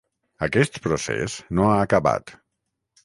Aquest procés no ha acabat.